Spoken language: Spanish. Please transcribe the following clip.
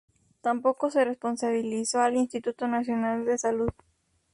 Tampoco se responsabilizó al Instituto Nacional de Salud.